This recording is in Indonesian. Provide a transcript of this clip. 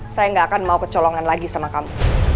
saya gak akan mau kecolongan lagi sama kamu